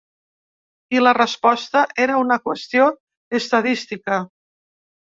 I la resposta: Era una qüestió estadística.